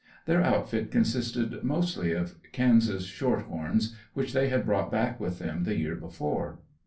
Their outfit consisted mostly of Kansas "short horns" which they had brought back with them the year before.